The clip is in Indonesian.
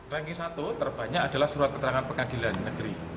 ranking satu terbanyak adalah surat keterangan pengadilan negeri